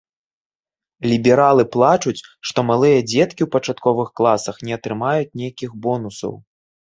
Лібералы плачуць, што малыя дзеткі ў пачатковых класах не атрымаюць нейкіх бонусаў.